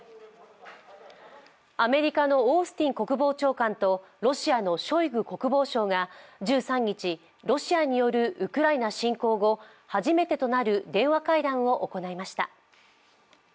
アメリカのオースティン国防長官とロシアのショイグ国防相が１３日ロシアによるウクライナ侵攻後、初めてとなる電話会談を行いました。